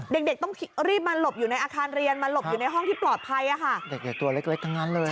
เด็กเด็กต้องรีบมาหลบอยู่ในอาคารเรียนมาหลบอยู่ในห้องที่ปลอดภัยอ่ะค่ะเด็กตัวเล็กเล็กทั้งนั้นเลย